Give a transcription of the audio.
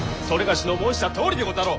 某の申したとおりでござろう！